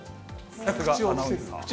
さすがアナウンサー。